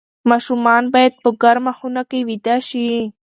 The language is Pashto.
ماشومان باید په ګرمه خونه کې ویده شي.